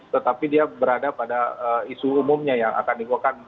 tetapi dia berada pada isu umumnya yang akan dibuatkan